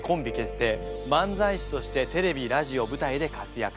漫才師としてテレビラジオ舞台で活躍。